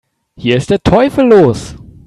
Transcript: Hier ist der Teufel los